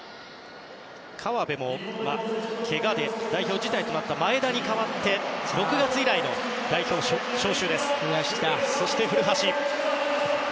川辺もけがで代表辞退となった前田に代わって６月以来の代表招集です。